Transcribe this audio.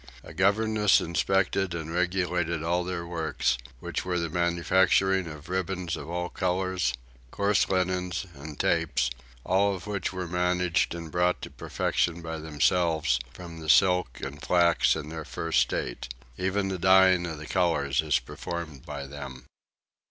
A governess inspected and regulated all their works, which were the manufacturing of ribbons of all colours, coarse linens, and tapes; all which were managed and brought to perfection by themselves from the silk and flax in their first state; even the dying of the colours is performed by them.